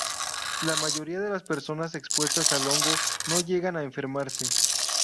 La mayoría de las personas expuestas al hongo no llegan a enfermarse.